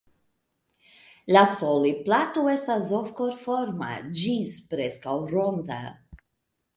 La foliplato estas ov-korforma ĝis preskaŭ ronda.